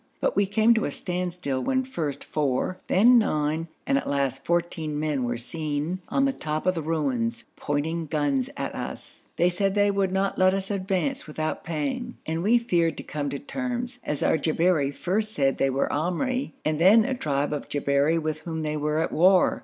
But we came to a standstill when first four, then nine, and at last fourteen men were seen on the top of the ruins, pointing guns at us. They said they would not let us advance without paying, and we feared to come to terms as our Jabberi first said they were Amri, and then a tribe of Jabberi with whom they were at war.